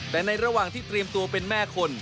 แต่ในระหว่างที่เตรียมตัวเป็นแม่คน